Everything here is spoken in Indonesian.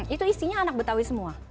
itu isinya anak betawi semua